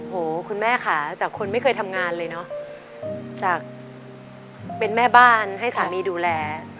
คุณแม่ค่ะจากคนไม่เคยทำงานเลยเนอะจากเป็นแม่บ้านให้สามีดูแล